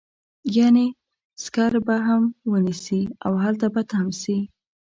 يعنې سکر به هم ونيسي او هلته به تم شي.